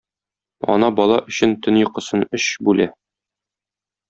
Ана бала өчен төн йокысын өч бүлә.